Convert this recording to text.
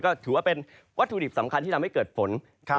ก็ถือว่าเป็นวัตถุดิบสำคัญที่ทำให้เกิดฝน